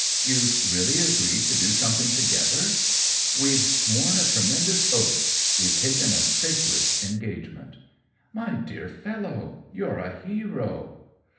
"You've really agreed to do something together ?"" We've sworn a tremendous oath — we've taken a sacred engagement." " My dear fellow, you're a hero."